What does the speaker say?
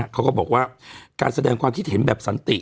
เขาก็บอกว่าการแสดงความคิดเห็นแบบสันติ